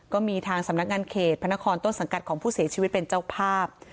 ก็มีทางสำนักงานเขตพระนครต้นสังกัดของผู้เสียชีวิตเป็นเจ้าภาพ